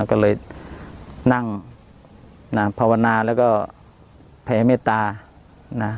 ก็เลยนั่งนะภาวนาแล้วก็แผ่เมตตานะ